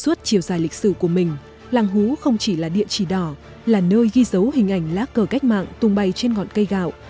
suốt chiều dài lịch sử của mình làng hú không chỉ là địa chỉ đỏ là nơi ghi dấu hình ảnh lá cờ cách mạng tung bay trên ngọn cây gạo